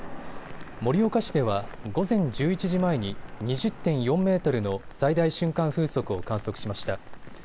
盛岡市では午前１１時前に２０．４メートルの最大瞬間風速を観測しました。